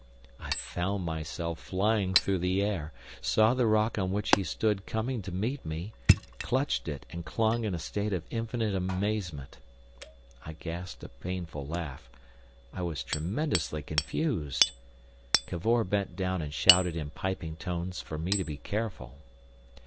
I found myself flying through the air, saw the rock on which he stood coming to meet me, clutched it and clung in a state of infinite amazement. I gasped a painful laugh. I was tremendously confused. Cavor bent down and shouted in piping tones for me to be careful.